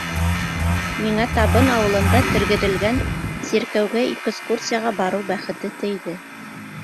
Миңә Табын ауылында тергеҙелгән сиркәүгә экскурсияға барыу бәхете тейҙе.